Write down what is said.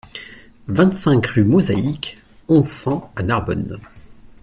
vingt-cinq rue Mosaïque, onze, cent à Narbonne